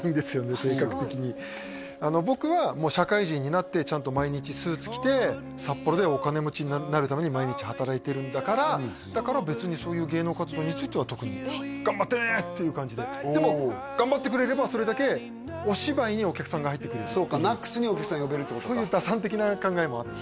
性格的に僕は社会人になってちゃんと毎日スーツ着て札幌でお金持ちになるために毎日働いてるんだからだから別にそういう芸能活動については特に頑張ってねっていう感じででも頑張ってくれればそれだけお芝居にお客さんが入ってくれるそうかＮＡＣＳにお客さん呼べるってことかそういう打算的な考えもあった